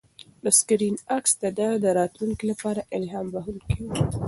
د سکرین عکس د ده د راتلونکي لپاره الهام بښونکی و.